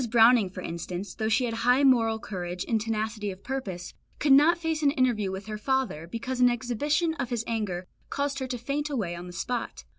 Browning, for instance, though she had high moral courage and tenacity of purpose, could not face an interview with her father, because an exhibition of his anger caused her to faint away on the spot.